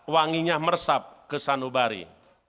wanginya meresap ke sanubari